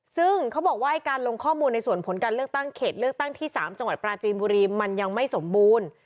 ซึ่งเขาบอกว่าการลงข้อมูลในส่วนผลการเลือกตั้งเขตเลือกตั้งที่๓จังหวัดปราจีนบุรีมันยังไม่สมบูรณ์